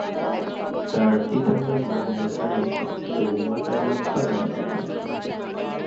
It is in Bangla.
তার পিতার নাম মোহাম্মদ হানিফ ও মাতার নাম ফাতেমা খাতুন।